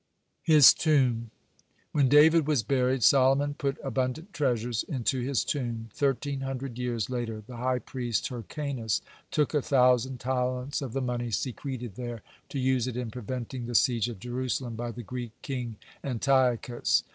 (143) HIS TOMB When David was buried, Solomon put abundant treasures into his tomb. Thirteen hundred years later the high priest Hyrcanus took a thousand talents of the money secreted there to use it in preventing the siege of Jerusalem by the Greek king Antiochus.